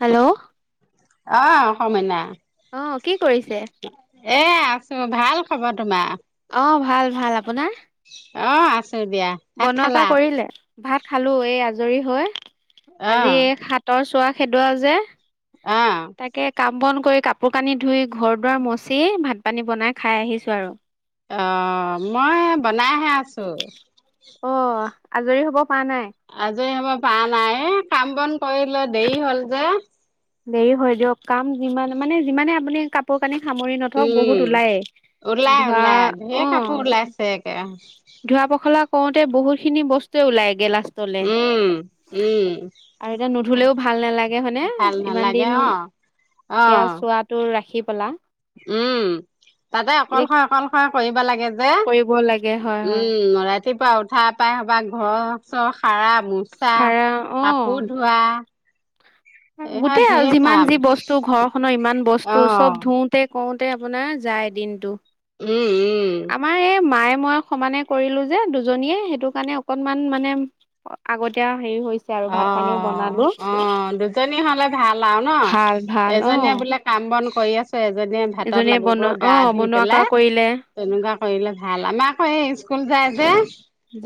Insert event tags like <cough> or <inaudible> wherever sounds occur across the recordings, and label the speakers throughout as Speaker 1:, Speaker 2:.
Speaker 1: Hello
Speaker 2: অৱ অসমাইনা।
Speaker 1: অ কি কৰিছে?
Speaker 2: এ আছো ভাল খবৰ তোমাৰ
Speaker 1: অ ভাল ভাল আপোনাৰ।
Speaker 2: অৱ আছ
Speaker 1: বনোৱা কা কৰিলে ভাত খালো এই আজৰি হৈ আজি
Speaker 2: অ',
Speaker 1: হাতৰ চোৱা খেদোৱা যে
Speaker 2: অ',
Speaker 1: তাকে কাম বন কৰি। কাপোৰ কানি ধুই ঘৰ দুৱাৰ মচি ভাত পানী বনাই খাই আহিছো আৰু
Speaker 2: আহ মই বনাইহে আছো।
Speaker 1: অ আজৰি হ'ব পৰা নাই!
Speaker 2: আজৰি হ'বৰ পৰা নাই এই কাম বন কৰি লৈ দেৰি হ'ল যে
Speaker 1: দেৰি হয় দিয়ক কাম যিমান মানে যিমানে আপুনি কাপোৰ কানি সামৰি নথওক
Speaker 2: উম
Speaker 1: বহুত ওলায়েই।
Speaker 2: ওলাই
Speaker 1: ধোৱা
Speaker 2: ওলাই ঢেৰ কাপোৰ
Speaker 1: অৱ,
Speaker 2: ওলাইছে একে
Speaker 1: ধোৱা পখলা কওঁতে বহুত খিনি বস্তুৱে ওলাইগে লা। লে
Speaker 2: উম উম
Speaker 1: আৰু এতিয়া নুধুলেও ভাল নালাগে হয়নে?
Speaker 2: ভাল
Speaker 1: ইমান
Speaker 2: নালাগে
Speaker 1: দিন
Speaker 2: অ',
Speaker 1: এতিয়া
Speaker 2: অ',
Speaker 1: চোৱাটো ৰাখি। পেলা
Speaker 2: উম তাতে
Speaker 1: এতিয়া
Speaker 2: অকলশয় অকলশয় কৰিব লাগে যে।
Speaker 1: টাকে হয়।
Speaker 2: উম ৰাতিপুৱা উঠা পাই সবা ঘৰ চৰ সৰা মোচা
Speaker 1: খাৰা অ
Speaker 2: কাপোৰ ধোৱা। এইহা
Speaker 1: গোটেই
Speaker 2: ঢেৰ
Speaker 1: আৰু যিমান
Speaker 2: কাম
Speaker 1: যি বস্তু ঘৰখনৰ ইমান
Speaker 2: অ
Speaker 1: বস্তু চব ধুওতে কওঁতে আপোনাৰ যায় দিনটো।
Speaker 2: উম
Speaker 1: আমাৰ এই মায়ে মই সমানে কৰিলো যে দুজনীয়ে সেইটো কাৰণে অকনমান মানে আগতীয়া। হেৰি হৈছে আৰু
Speaker 2: অ
Speaker 1: ভাত পানীও বনালো
Speaker 2: অ দুজনী হ'লে। ভাল আৰু ন
Speaker 1: ভাল ভাল অ
Speaker 2: এজনীয়ে বোলে কাম বন কৰি আছে এজনীয়ে ভাতত
Speaker 1: এজনীয়ে
Speaker 2: লাগিব
Speaker 1: বনোৱা অ
Speaker 2: গা ধুই
Speaker 1: বনোৱা কৰা
Speaker 2: পেলাই
Speaker 1: কৰিলে
Speaker 2: তেনেকুৱা কৰিলে ভাল আমাৰ আকৌ এই স্কুল- স্কুল যাই যে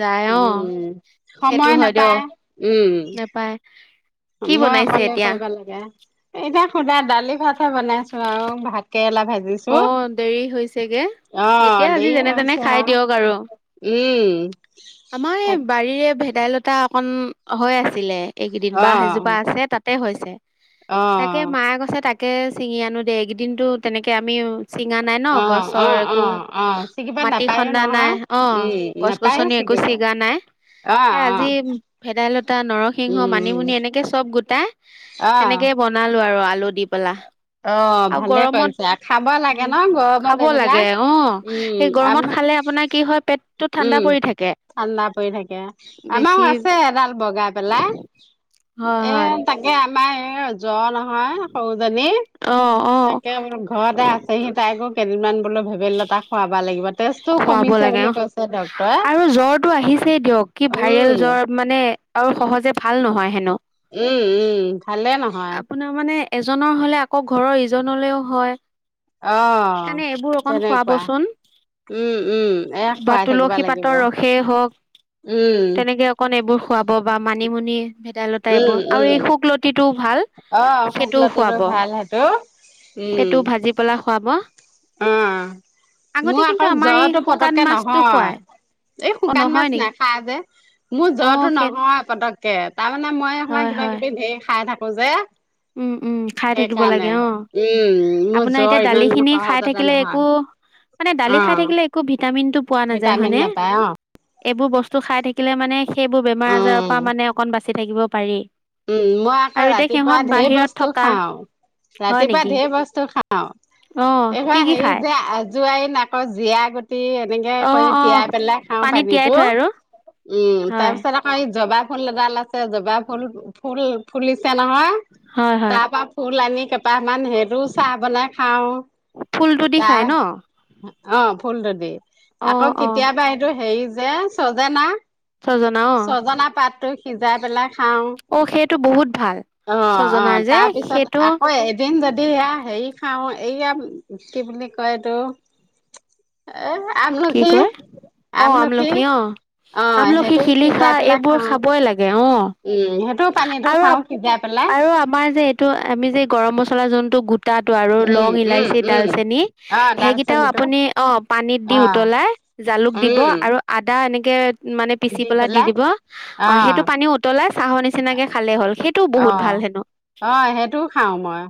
Speaker 1: যায় অ
Speaker 2: উম
Speaker 1: সেইটো
Speaker 2: সময়
Speaker 1: হয়
Speaker 2: নাপায়।
Speaker 1: দিয়ক নেপায়
Speaker 2: উম
Speaker 1: কি
Speaker 2: মই
Speaker 1: বনাইছে
Speaker 2: অকলে
Speaker 1: এতিয়া
Speaker 2: কৰিব লাগে এতিয়া সোধা দালি, ভাত, - ক বনাইছো আৰু ভাত কেৰেলা
Speaker 1: অ
Speaker 2: ভাজিছো
Speaker 1: দেৰি হৈছেগে
Speaker 2: অ
Speaker 1: এতিয়া আজি
Speaker 2: দেই
Speaker 1: যেনে তেনে
Speaker 2: হৈছে
Speaker 1: খাই
Speaker 2: আও
Speaker 1: দিয়ক আৰু
Speaker 2: উম
Speaker 1: আমাৰ এই
Speaker 2: তাক
Speaker 1: বাৰীৰে ভেদাইলতা, অকন হৈ আছিলে এইকেইদিন বাহ এজোপা
Speaker 2: অ',
Speaker 1: আছে তাতে হৈছে
Speaker 2: অ',
Speaker 1: তাকে মায়ে কৈছে তাকে - তাকে ছিঙি আনো দে এইকেইদিনো তেনেকে আমি- চিঙা, নাই ন
Speaker 2: অ',
Speaker 1: গছৰ
Speaker 2: অ',
Speaker 1: একো
Speaker 2: অ', অ', ছিগিব
Speaker 1: মাটি
Speaker 2: নাপায়ো
Speaker 1: খন্দা নাই
Speaker 2: নহয়।
Speaker 1: অ
Speaker 2: উম,
Speaker 1: গছ-
Speaker 2: নাপায়ো
Speaker 1: গছনি
Speaker 2: ছিগিব
Speaker 1: গুছি
Speaker 2: অ',
Speaker 1: যোৱা নাই না। সে আজি
Speaker 2: অ',
Speaker 1: ভেদাইলতা, নৰসিংহ
Speaker 2: উম,
Speaker 1: মানিমুনি, -এনেকে চব গোটাই তেনেক,
Speaker 2: অ',
Speaker 1: বনালো আৰু আলু দি পেলাই।
Speaker 2: অ',
Speaker 1: আৰু
Speaker 2: ভালে
Speaker 1: গৰমত
Speaker 2: কৰিছে খাব
Speaker 1: উ
Speaker 2: লাগে ন গৰমত
Speaker 1: খাব লাগে
Speaker 2: এইবিলাক
Speaker 1: অ
Speaker 2: উম,
Speaker 1: সেই
Speaker 2: আম
Speaker 1: গৰমত খালে আপোনাৰ কি হয় পেটটো ঠাণ্ডা
Speaker 2: উম,
Speaker 1: পৰি থাকে
Speaker 2: ঠাণ্ডা পৰি থাকে
Speaker 1: বেছি
Speaker 2: আমাৰো আছে এডাল বগাই পেলাই
Speaker 1: হয়
Speaker 2: এ
Speaker 1: হয়
Speaker 2: তাকে আমাৰ এই জ্বৰ নহয় সৰুজনী-
Speaker 1: অ অ
Speaker 2: তাকে ম ঘৰতে আছেহি তাইকো কেইদিনমান বোলো ভেডাইলতা খুৱাব লাগিব তেজটোও
Speaker 1: খুৱাব
Speaker 2: কমিছে
Speaker 1: লাগে অ
Speaker 2: বুলি কৈছে ডক্তৰে।
Speaker 1: আৰু জ্বৰটো আহিছেই দিয়ক কি ভাইৰেল
Speaker 2: উম
Speaker 1: জ্বৰ মানে আৰু সহজে ভাল নহয় হেনো
Speaker 2: উম উম ভালে নহয়।
Speaker 1: আপোনাৰ মানে এজনৰ হলে আকৌ ঘৰৰ ইজনলৈও হয়
Speaker 2: অ
Speaker 1: সেইকাৰণে এইবোৰ অকন
Speaker 2: তেনেকুৱা
Speaker 1: খুৱাবচোন
Speaker 2: উম উম এয়া
Speaker 1: বা
Speaker 2: খুৱাই থাকিবা
Speaker 1: তুলসী,
Speaker 2: লাগিব
Speaker 1: পাতৰ ৰসেই হওক-
Speaker 2: উম
Speaker 1: তেনেকে অকণ এইবোৰ খুৱাব বা মানিমুনি, - ভেদাইলতা,
Speaker 2: উম
Speaker 1: এইবোৰ আৰু
Speaker 2: উম
Speaker 1: এই শুকলতিটো, ভাল
Speaker 2: অ
Speaker 1: সেইটোও
Speaker 2: শুকলতিটো
Speaker 1: খুৱাব
Speaker 2: ভাল সেইটো উম
Speaker 1: সেইটো ভাজি পেলাই খুৱাব-
Speaker 2: অ
Speaker 1: আগতে
Speaker 2: মোৰ
Speaker 1: কিন্তু
Speaker 2: আকৌ
Speaker 1: আমাৰ এই
Speaker 2: জ্বৰটো
Speaker 1: শুকান
Speaker 2: পতককে
Speaker 1: মাছটো
Speaker 2: নহয়।
Speaker 1: খুৱাই
Speaker 2: এই
Speaker 1: অ
Speaker 2: শুকান
Speaker 1: নহয়
Speaker 2: মাছ
Speaker 1: নেকি
Speaker 2: নেখাই যে। মোৰ
Speaker 1: অ
Speaker 2: জ্বৰটো
Speaker 1: সেই
Speaker 2: নহয় পতককে তাৰমানে মই আকমান
Speaker 1: হয়
Speaker 2: কিবা
Speaker 1: হয়
Speaker 2: কিবি ধেৰ খাই থাকো যে।
Speaker 1: উম উম খাই থাকিব
Speaker 2: সেইকাৰণে
Speaker 1: লাগে অ
Speaker 2: উম মোৰ
Speaker 1: আপোনাৰ
Speaker 2: জ্বৰ
Speaker 1: এতিয়া দালি
Speaker 2: ইমান-
Speaker 1: খিনি খাই
Speaker 2: সহজতে
Speaker 1: থাকিলে
Speaker 2: নহয়
Speaker 1: একো মানে দালি
Speaker 2: অ
Speaker 1: খাই থাকিলে একো গগৈ ভ ভিটামিন তো উত্তৰ -
Speaker 2: ভিটামিন নাপাই অ
Speaker 1: য বোৰ বস্তু খাই থাকিলে মানে সেইবোৰ বেমাৰ আজাৰৰ
Speaker 2: উম
Speaker 1: পৰা মানে অকণ বাচি থাকিব পাৰি।
Speaker 2: উম মই আকৌ
Speaker 1: আৰু এতিয়া
Speaker 2: ৰাতিপুৱা
Speaker 1: সিহঁত
Speaker 2: ঢেৰ
Speaker 1: বাহিৰত
Speaker 2: বস্তু
Speaker 1: থকা
Speaker 2: খাও
Speaker 1: হয়
Speaker 2: ৰাতিপুৱা
Speaker 1: নেকি
Speaker 2: ঢেৰ বস্তু খাওঁ অ
Speaker 1: অ কি
Speaker 2: এইবাৰ
Speaker 1: কি
Speaker 2: হেৰি
Speaker 1: খায়
Speaker 2: যে আজোৱাৰ নাকৰ জীয়া গুট এনেকে
Speaker 1: অ
Speaker 2: কৰি
Speaker 1: অ
Speaker 2: তিয়াই পেলাই খাওঁ
Speaker 1: পানীত তিয়াই
Speaker 2: পানীতটো
Speaker 1: থয় আৰু
Speaker 2: উম তাৰ
Speaker 1: হয়
Speaker 2: পিছত আকৌ এই জবা - ফুল এডাল আছে জবা, ফুল ফুল ফুলিছে নহয়
Speaker 1: হয় হয়
Speaker 2: তাৰ পৰা ফুল আনি। কেইপাহমান সেইটো চাহ বনাই খাও
Speaker 1: ফুলটো দি খাই
Speaker 2: তাৰ
Speaker 1: ন
Speaker 2: অ ফুলটো দি
Speaker 1: অ
Speaker 2: আকৌ
Speaker 1: অ
Speaker 2: কেতিয়াবা সেইটো হেৰি যে চজে না
Speaker 1: ছজনা অ
Speaker 2: ছজনা পাতটো সিজাই পেলাই খাওঁ
Speaker 1: অ সেইটো বহুত ভাল
Speaker 2: অ অ
Speaker 1: ছজনাৰ যে
Speaker 2: তাৰপিছত
Speaker 1: সেইটো
Speaker 2: আকৌ এদিন যদি হেৰি- খাওঁ এইয়া কি বুলি কয় এইটো এ-
Speaker 1: কি
Speaker 2: আমলখি
Speaker 1: কয় অ
Speaker 2: আমলখি
Speaker 1: অ
Speaker 2: অ সেই
Speaker 1: আমলখি শিলিখা
Speaker 2: সিজাই পেলা
Speaker 1: এইবোৰ
Speaker 2: খাওঁ
Speaker 1: খাবই লাগে অ
Speaker 2: উম সেইটো পানীটো খাওঁ সিজাই পেলাই
Speaker 1: আৰু আমাৰ এই আমি গৰ মছলা গ সুতটো আৰু
Speaker 2: উম
Speaker 1: লং,
Speaker 2: উম
Speaker 1: ইলাচি,
Speaker 2: উম
Speaker 1: ডালচেনি,
Speaker 2: অ
Speaker 1: সেইকেইটাও
Speaker 2: দালচেনিটো
Speaker 1: আপুনি অ পানীত দি-
Speaker 2: অ
Speaker 1: উতলাই জালুক, দিব
Speaker 2: উম
Speaker 1: আৰু আদা, এনেকে- মানে পিচি পেলা দি দিব
Speaker 2: অ
Speaker 1: অহ সেইটো পানী উতলাই চাহৰ নিচিনাকে খালে হ'ল। সেইটোও বহুত ভাল
Speaker 2: অহ-
Speaker 1: হেনো
Speaker 2: অহ সেইটোও খাও মই।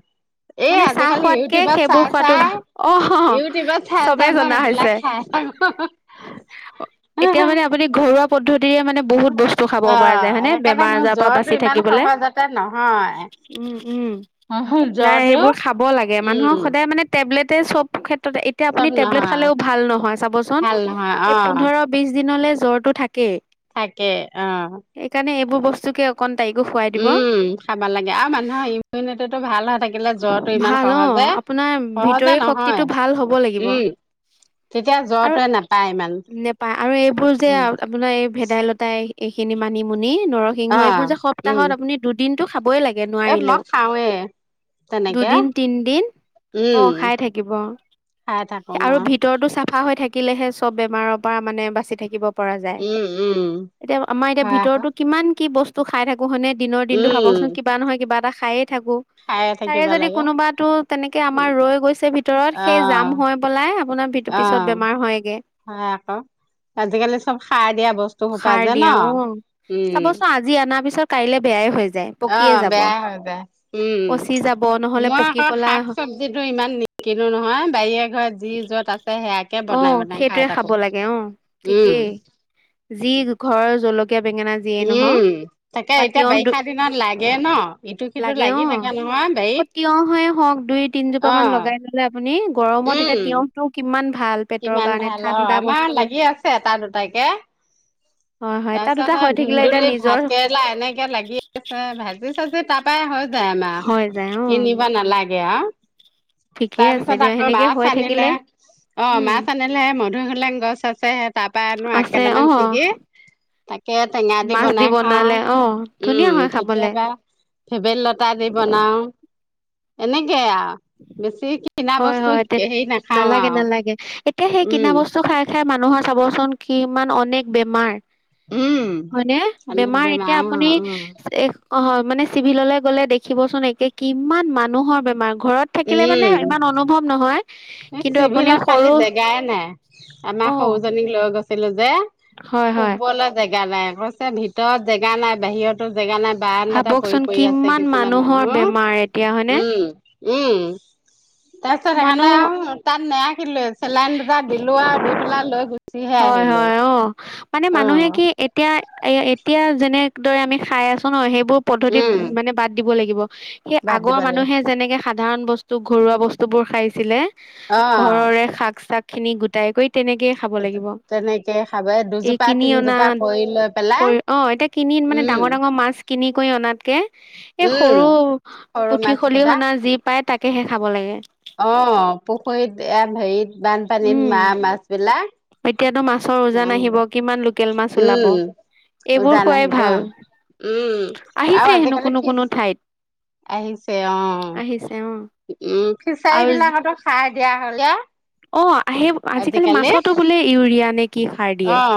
Speaker 2: এই,
Speaker 1: মানে চাহ
Speaker 2: আজিকালি
Speaker 1: খোৱাতকে
Speaker 2: ইউটিউবত
Speaker 1: সেইবোৰ
Speaker 2: চাই -
Speaker 1: খোৱাটো
Speaker 2: চাই
Speaker 1: ভা অ
Speaker 2: -ইউটিউবত চাই -চাই
Speaker 1: চবেই
Speaker 2: মই
Speaker 1: জনা
Speaker 2: সেইবিলাক
Speaker 1: হৈছে
Speaker 2: খাই <unintelligible>
Speaker 1: এতিয়া মানে আপুনি ঘৰুৱা পদ্ধ মানে বহুত বস্তু খাব
Speaker 2: অ
Speaker 1: পৰা যায় হয় নে,
Speaker 2: সেইকাৰণে
Speaker 1: বেমাৰ-
Speaker 2: মোৰ
Speaker 1: আজাৰৰ পৰা
Speaker 2: জ্বৰটো
Speaker 1: বাচি
Speaker 2: ইমান
Speaker 1: থাকিবলে।
Speaker 2: সহজতে
Speaker 1: উম- উম
Speaker 2: অহ',
Speaker 1: নাই এইবোৰ খাব লাগে মানুহক সদায় মানে টেবলেটে চব ক্ষে ক্ষেত্ৰতে এতিয়া আপুনি
Speaker 2: চব
Speaker 1: টেবলেট
Speaker 2: নহয়
Speaker 1: খালেও ভাল নহয় চাবচোন
Speaker 2: ভাল নহয় অ।
Speaker 1: পোন্ধৰ বিছ দিনলে জ্বৰটো থাক কেই
Speaker 2: থাকে অ
Speaker 1: সেইকাৰণে এইবোৰ বস্তুকে অকণ তাইকো খুৱাই দিব
Speaker 2: উম, খাবা লাগে আৰু মানুহৰ ইমিউনিতিটো ভাল হৈ থাকে থাকিলে জ্বৰটো ইমান
Speaker 1: ভাল অ
Speaker 2: সহজে-
Speaker 1: আপোনাৰ
Speaker 2: সহজে
Speaker 1: ভিতৰি
Speaker 2: নহয়,
Speaker 1: শক্তিটো ভাল হ'ব লাগিব
Speaker 2: উম। তেতিয়া
Speaker 1: আৰু
Speaker 2: জ্বৰটোৱে নেপায়।
Speaker 1: নেপায় আৰু এইবোৰ যে আপোনাৰ এই ভেদাইলতাই এইখিনি মানিমুনি নি নৰসিংহ
Speaker 2: অ
Speaker 1: এইবোৰ যে
Speaker 2: উম
Speaker 1: সপ্তাহত আপুনি দুদিনটো খাবই লাগে
Speaker 2: এ মই
Speaker 1: নোৱাৰিলেও।
Speaker 2: খাওঁৱে তেনেকে
Speaker 1: দুদিন- তিনদিন
Speaker 2: উম
Speaker 1: অহ খাই থাকিব।
Speaker 2: খাই থাকো মই।
Speaker 1: ফা হৈ থাকিলেহে চব বেমাৰৰ পৰা মানে বাচি থাকিব পৰা যাই,
Speaker 2: উম উম
Speaker 1: এতিয়া আমাৰ এতিয়া
Speaker 2: হয় আকৌ
Speaker 1: ভিতৰতো কিমান কি বস্তু খাই থাক কোহনে দিনৰ দিনটো ভাবক চোন
Speaker 2: উম
Speaker 1: কিবা নহয় কিবা এটা খায়ে থাকো
Speaker 2: খায়ে
Speaker 1: তাৰে
Speaker 2: থাকিব
Speaker 1: যদি
Speaker 2: লাগে
Speaker 1: কোনোবাতো তেনেকে আমাৰ ৰৈ গৈছে ভিতৰত
Speaker 2: অ
Speaker 1: সেই জাম হৈ পেলাই আপোনাৰ
Speaker 2: অ
Speaker 1: পিছত বেমাৰ হয়গে।
Speaker 2: হয়, আকৌ আজিকালি চব সাৰ দিয়া বস্তু সোপা
Speaker 1: সাৰ
Speaker 2: যে ন
Speaker 1: দিয়া অ',
Speaker 2: উম
Speaker 1: চাবচোন আজি আনাৰ পিছত কাইলে বেয়াই হৈ যায়। পকিয়ে
Speaker 2: অ',
Speaker 1: যাব
Speaker 2: বেয়াই হৈ যায় উম
Speaker 1: পচি যাব নহলে
Speaker 2: মই
Speaker 1: পকি
Speaker 2: আকৌ
Speaker 1: পেলা
Speaker 2: শাক- চবজিটো ইমান নি কিনো নহয় বাৰিৰে ঘৰত যি যত আছে সেয়াকে
Speaker 1: অ
Speaker 2: বনাই- বনাই খাই
Speaker 1: সেইটোৱে
Speaker 2: থাকো,
Speaker 1: খাব লাগে অ
Speaker 2: উম।
Speaker 1: ঠিকেই যি ঘৰৰ জলক কীয়া, বেঙেনা যিয়ে নহও
Speaker 2: উম তাকে
Speaker 1: বা
Speaker 2: এতিয়া
Speaker 1: তিয়হ
Speaker 2: বাৰিষা দিনত লাগে ন ইটো
Speaker 1: <inaudible>
Speaker 2: সিটো
Speaker 1: লাগে
Speaker 2: লাগি
Speaker 1: অ',।
Speaker 2: থাকে নহয়
Speaker 1: আকৌ
Speaker 2: বাৰীত
Speaker 1: তিয়হয় হওক দুই তিনজোপা
Speaker 2: অ
Speaker 1: মান লগাই ল'লে আপুনি গৰমত
Speaker 2: উম
Speaker 1: তেতিয়া তিয়হটো কিমান ভাল পেটৰ
Speaker 2: কিমান
Speaker 1: কাৰণে
Speaker 2: ভাল অ
Speaker 1: ঠাণ্ডা
Speaker 2: আমাৰ
Speaker 1: বস্তু।
Speaker 2: লাগি আছে এটা দুটাকে
Speaker 1: হয় হয় এটা দুটা
Speaker 2: তাৰপিছত
Speaker 1: হৈ থাকিলে এতিয়া
Speaker 2: ধুন্দুলি,
Speaker 1: নিজৰ
Speaker 2: ভাত কেৰেলা, এনেকে লাগি আছে ভাজি চাজি তাৰপাই হৈ জাম আহ
Speaker 1: হৈ যায় অ
Speaker 2: কিনিব নালাগে আও।
Speaker 1: ঠিকে
Speaker 2: তাৰ
Speaker 1: আছে
Speaker 2: পিছত
Speaker 1: দিয়া
Speaker 2: আকৌ
Speaker 1: সেনেকে হৈ
Speaker 2: মাছ আনিলে
Speaker 1: থাকিলে
Speaker 2: অহ
Speaker 1: উম
Speaker 2: মাছ আনিলেহে ম দুই হোলেং গছ আছে সে তাৰ পা আনো আগ
Speaker 1: আছে অ
Speaker 2: কেইটামান ছিগি তাকে টেঙা দি
Speaker 1: মাছ
Speaker 2: বনাই খাওঁ।
Speaker 1: বনালে অ
Speaker 2: উম,
Speaker 1: ধুনীয়া হয় খাবলে
Speaker 2: কেতিয়াবা ভেবেল লতা দি বনাওঁ। এনেকে আও বেছি কিনা
Speaker 1: হয়
Speaker 2: বস্তু
Speaker 1: -হয়,
Speaker 2: হেৰি নাখাওঁ
Speaker 1: নালাগে
Speaker 2: আৰু
Speaker 1: -নালাগে এতিয়া সেই কিনা
Speaker 2: উম
Speaker 1: বস্তু খাই - খাই মানুহৰ চাবচোন কিমান অনেক বেমাৰ।
Speaker 2: উম
Speaker 1: হ'য়নে? বেমাৰ এতিয়া আপুনি
Speaker 2: অ' উম
Speaker 1: এ' অহ, হয় মানে চিভিললে গ'লে দেখিবচোন একে কিমান মানুহৰ বেমাৰ ঘৰত থাকিলে মানে ইমান অনুভৱ নহয়।
Speaker 2: এ'
Speaker 1: কিন্তু আপুনি
Speaker 2: চিভিলত কালি
Speaker 1: সৰু
Speaker 2: জেগাই নাই আমা
Speaker 1: অ
Speaker 2: সৰুজনীক লৈ গৈছিলো <unintelligible>
Speaker 1: হয় হয়
Speaker 2: শুৱলে জেগা নাই কৈছে ভিতৰত জেগা নাই, বাহিৰটো জেগা নাই বাৰান্দাতে
Speaker 1: ভাবকচোন
Speaker 2: পৰি- পৰি আছে
Speaker 1: কিমান
Speaker 2: কিছুমান
Speaker 1: মানুহৰ
Speaker 2: মানুহ।
Speaker 1: বেমাৰ এতিয়া হয়নে
Speaker 2: উম-উম। তাৰপিছত সেইকাৰণে
Speaker 1: মানুহ
Speaker 2: আও তাত নেৰাখ <unintelligible> চেলাইন দুটা দিলো আও দি পেলাই লৈ গুচিহে আহিলো।
Speaker 1: অহ, মানে
Speaker 2: অ
Speaker 1: মানুহে কি এতিয়া এ- এ এতিয়া যেনেদৰে আমি খাই আছো ন' সেইবোৰ পদ্ধতি
Speaker 2: উম
Speaker 1: মানে বাদ দিব লাগিব। সেই
Speaker 2: বাদ দিব
Speaker 1: আগৰ
Speaker 2: লাগিব
Speaker 1: মানুহে যেনেকে সাধাৰণ বস্তু, ঘৰুৱা বস্তুবোৰ খাইছিলে।
Speaker 2: অঁ-
Speaker 1: ঘৰৰে শাক খিনি গোটাই কৈ তেনেকে খাব লাগিব।
Speaker 2: তেনেকে খাব
Speaker 1: এই
Speaker 2: দুজোপা
Speaker 1: কিনি
Speaker 2: তিনজোপা
Speaker 1: অনাত
Speaker 2: কৰি লৈ পেলাই
Speaker 1: কৈ, অঁ এতিয়া কিনি কিন্‌ মানে
Speaker 2: উম
Speaker 1: ডাঙৰ ডাঙৰ মাছ কিনি কৈ অনাতকে। এই
Speaker 2: উম
Speaker 1: সৰু
Speaker 2: সৰু
Speaker 1: পুঠি
Speaker 2: মাছ
Speaker 1: খলিহনা যি পায় তাক কেহে খাব লাগে।
Speaker 2: অঁ, পুখুৰীত এয়াত হেৰিত বানপানীত মা মাছ বিলাক।
Speaker 1: এতিয়াটৈ মাছৰ উজান আহিব
Speaker 2: অ',
Speaker 1: কিমান লোকেল মাছ ওলাব?
Speaker 2: উম
Speaker 1: এইবোৰ
Speaker 2: উজান
Speaker 1: খোৱাই
Speaker 2: আহিব
Speaker 1: ভাল।
Speaker 2: অ', উম আৰু
Speaker 1: আহিছে হেনো
Speaker 2: আজিকালি
Speaker 1: কোনো
Speaker 2: ফিচ
Speaker 1: কোনো ঠাইত।
Speaker 2: আহিছে। অঁ
Speaker 1: আহিছে অ
Speaker 2: উম, ফিচাৰী
Speaker 1: আৰু
Speaker 2: বিলাকটো সাৰ দিয়া হ'ল যে।
Speaker 1: অঁ আঁহেই আজিকালি মাছটো বোলে ইউৰিয়া নে কি সাৰ দিয়ে
Speaker 2: অঁ,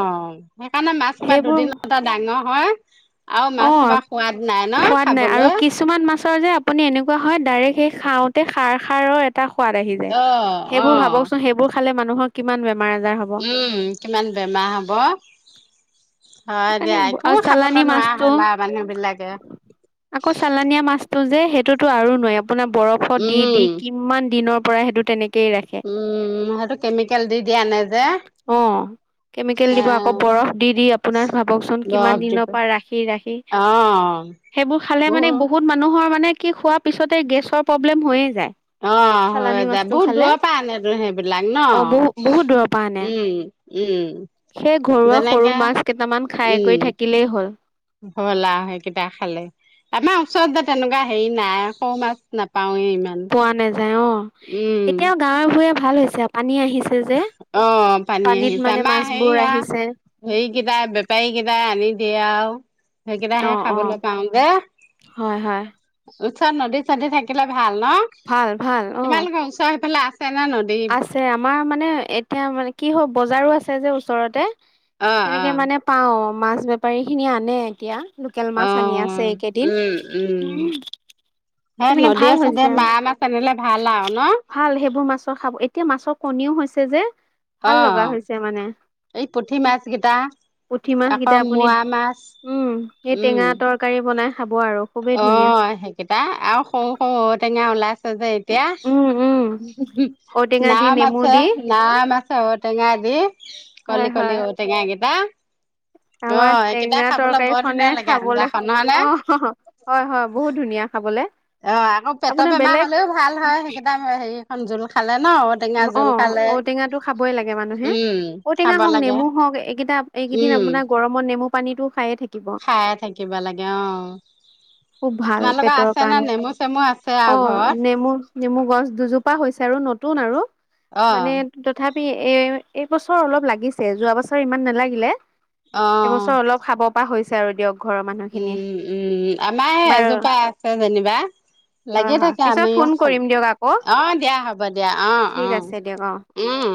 Speaker 2: সেইকাৰণে মাছ সোপা
Speaker 1: সেইবোৰ
Speaker 2: দুদিনটে ডাঙৰ হ'য়। আও মাছ
Speaker 1: অ
Speaker 2: সোপা সোৱাদ নাই ন
Speaker 1: সোৱাদ নাই আৰু
Speaker 2: খাবলৈ
Speaker 1: কিছুমান মাছৰ যে, আপুনি এনেকুৱা হ'য় ডাইৰেক্ট সেই খাওঁত্‌ টে সাৰ, সাৰৰ এটা সোৱাদ আহি যায়।
Speaker 2: অ',
Speaker 1: সেইবোৰ
Speaker 2: অ',
Speaker 1: ভাৱকচোন, সেইবোৰ খালে মানুহৰ কিমান বেমা
Speaker 2: উম, কিমান বেমাৰ হ'ব। হয়
Speaker 1: সেইকাৰণে
Speaker 2: দিয়া
Speaker 1: ব্‌
Speaker 2: একো
Speaker 1: আও চালানি
Speaker 2: খাবলৈ নোৱাৰা
Speaker 1: মাছটো।
Speaker 2: হ'ল আৰু মানুহ বিলাকে
Speaker 1: আকৌ চালানিয়া মাছ টো যে সেইটোতো আৰু নোৱাৰি আপোনাৰ বৰফত দি দি
Speaker 2: উম
Speaker 1: কিমান দিনৰ পৰা সেইটো তেনেক্‌ কেই ৰাখে।
Speaker 2: উম, সেইটো কেমিকেল দি দিয়া নাই যে
Speaker 1: অঁ, কেমিকেল
Speaker 2: এ
Speaker 1: দিব, আকৌ বৰফ দি দি আপোনাৰ ভাৱকচোন কিমান
Speaker 2: দৰৱ দি
Speaker 1: দিনৰপা
Speaker 2: পেলাই
Speaker 1: ৰাখি ৰাখি।
Speaker 2: অ',
Speaker 1: সেইবোৰ খালে মানে বহুত মানুহ হৰ মানে কি? খোৱা পিছতেই গেছৰ প্ৰব্লেম হৈয়ে যায়
Speaker 2: অঁ,
Speaker 1: চালানী
Speaker 2: হ'য় দে।
Speaker 1: মাছটো
Speaker 2: বহুত
Speaker 1: খালে
Speaker 2: দূৰপা আনেটো সেইবিলাক
Speaker 1: অ
Speaker 2: ন'।
Speaker 1: বহু বহুত দূৰৰ পৰা আনে
Speaker 2: উম, উম।
Speaker 1: সেই ঘৰুৱা সৰু
Speaker 2: যেনেকে
Speaker 1: মাছ কেইটামান খাই কৈ থাকিলেই হ'ল।
Speaker 2: হ'লাও সেইকেইটা খালে। আমা ওচৰত যে তেনেকুৱা হেৰি নাই, সৰু মাছ নাপাওঁ।
Speaker 1: পোৱা নাযায় অঁ,
Speaker 2: উম,
Speaker 1: এতিয়াও গাঁৱে- ভূঁইয়ে ভাল হৈছে পানী আহি
Speaker 2: অঁ, পানী আহিছে
Speaker 1: মানে
Speaker 2: আমা
Speaker 1: মাছবোৰ
Speaker 2: সেইয়া
Speaker 1: আহিছে
Speaker 2: হেৰি কেইটাই, বেপাৰী কেইটাই আনি দিয়ে আও। সেইকেইটাহে
Speaker 1: অ',
Speaker 2: খাবলে
Speaker 1: অ',
Speaker 2: পাওঁ যে।
Speaker 1: হ'য়, হ'য়।
Speaker 2: ওচৰত নদী -চদী থাকিলে ভাল ন'।
Speaker 1: ভাল, ভাল অ',
Speaker 2: তোমালোকৰ ওচৰ সইফালে আ
Speaker 1: আছে আমাৰ মানে, এতিয়া মানে, কি হ্‌ বজাৰো আছে যে ওচৰতে।
Speaker 2: অ অ
Speaker 1: তেনেকে মানে পাওঁ। মাছ বেপাৰী খিনিয়ে আনে এতিয়া। লোকেল
Speaker 2: অ
Speaker 1: মাছ আনি আছে এইকেইদিন।
Speaker 2: উম উম
Speaker 1: উমহ্‌
Speaker 2: সেই
Speaker 1: তেনেকে ভাল
Speaker 2: নদীয়ে
Speaker 1: হৈছে
Speaker 2: চদীয়ে
Speaker 1: আও,
Speaker 2: মাৰা মাছ আনিলে ভাল আৰু ন?
Speaker 1: ভাল সেইবোৰ মাছ তো খাব। এতিয়া মাছৰ কণীও হৈছে যে, ভাল
Speaker 2: অ
Speaker 1: লগা হৈছে মানে।
Speaker 2: এই পুঠি মাছ গেইটা
Speaker 1: পুঠি মাছ
Speaker 2: আকৌ
Speaker 1: কেইটা আপুনি
Speaker 2: মোৱা মাছ
Speaker 1: উম, এই
Speaker 2: উম
Speaker 1: টেঙা তৰকাৰী বনাই খাব আৰু খুবেই
Speaker 2: অ
Speaker 1: ধুনীয়া।
Speaker 2: সেইকেইটা আৰু সৰু সৰু ঔ টেঙা ওলাইছে যে এতিয়া
Speaker 1: উম, উম। ঔটেঙা দি
Speaker 2: নাম
Speaker 1: নেমু
Speaker 2: আছে
Speaker 1: দি
Speaker 2: নাম আছে চ ঔটেঙা দি
Speaker 1: হয়,
Speaker 2: কলি কলি
Speaker 1: হয়।
Speaker 2: ঔটেঙা গেইটা অ
Speaker 1: আমাৰ টেঙা
Speaker 2: এইকেইটাই খাবলৈ
Speaker 1: তৰকাৰী
Speaker 2: বৰ
Speaker 1: খনে
Speaker 2: ধুনীয়া
Speaker 1: খাবলৈ
Speaker 2: লাগেজাখন নহয় নে
Speaker 1: অ', হয়, হয় বহুত ধুনীয়া খাবলে।
Speaker 2: অ আকৌ পেটৰ
Speaker 1: আপোনাৰ
Speaker 2: বেমাৰ
Speaker 1: বেলেগ
Speaker 2: হলেও ভাল হয় সেইকেইটা এইখন জোল খালে ন ঔটেঙা
Speaker 1: অ
Speaker 2: জোল খালে
Speaker 1: ঔটেঙা খাবই লাগে মানুহে
Speaker 2: উম
Speaker 1: ঔটেঙা
Speaker 2: খাব
Speaker 1: হওক
Speaker 2: লাগে
Speaker 1: নেমু হওক এইকেইটা এইকেইদিন
Speaker 2: উম
Speaker 1: আপোনাৰ গৰমত নেমু পানীটো খায়ে থাকিব।
Speaker 2: খাই থাকিব লাগে অ
Speaker 1: খুব ভাল
Speaker 2: তোমালোকৰ
Speaker 1: পেটৰ
Speaker 2: আছে নে
Speaker 1: কাৰণে
Speaker 2: নেমু চেমু আছে
Speaker 1: অ',
Speaker 2: আৰু
Speaker 1: নেমু
Speaker 2: ঘৰত।
Speaker 1: নেমু গছ দুজোপা হৈছে আৰু নতুন আৰু
Speaker 2: অ
Speaker 1: মানে তথাপি। এ এইবছৰ অলপ লাগিছে যোৱা বছৰ ইমান নালাগিলে।
Speaker 2: অ
Speaker 1: এবছৰ অলপ খাব পৰা হৈছে আৰু দিয়ক। ঘৰৰ মানুহখিনিয়ে
Speaker 2: উম উম আমাৰ
Speaker 1: বাৰু
Speaker 2: এজোপা আছে যেনিবা।
Speaker 1: হয়
Speaker 2: লাগি
Speaker 1: হয়
Speaker 2: থাকে
Speaker 1: পিছত ফোন
Speaker 2: আমিও খা
Speaker 1: কৰিম দিয়ক আকৌ
Speaker 2: অ দিয়া হ'ব দিয়া অ। অ
Speaker 1: ঠিক
Speaker 2: অ
Speaker 1: আছে দিয়ক অ
Speaker 2: উম।